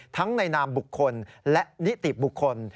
ในนามบุคคลและนิติบุคคล